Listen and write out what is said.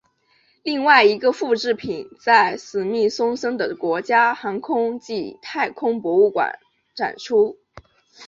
另外一个复制品在史密松森的国家航空暨太空博物馆展出。